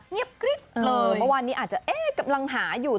เมื่อวานนี้อาจจะกำลังหาอยู่